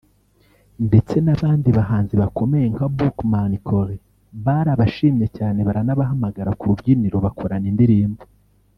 Ndetse n’abandi bahanzi bakomeye nka Buckman Cole barabashimye cyane baranabahamagara ku rubyiniro bakorana indirimbo